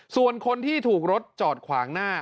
ส่วนคนที่ถูกรถจอดขวางหน้า